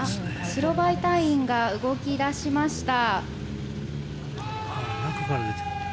白バイ隊員が動き出しました。